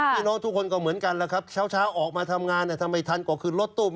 พี่น้องทุกคนก็เหมือนกันแล้วครับเช้าออกมาทำงานถ้าไม่ทันก็ขึ้นรถตู้